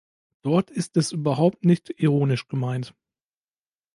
Dort ist es überhaupt nicht ironisch gemeint.